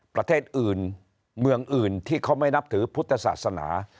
ประเทศอื่นเมืองอื่นที่เขาไม่นับถือพุทธศาสนา